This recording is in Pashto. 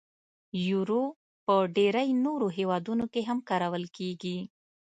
یورو په ډیری نورو هیوادونو کې هم کارول کېږي.